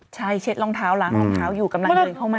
ใช่เช็ดรองเท้าล้างรองเท้าอยู่กำลังเดินเข้ามา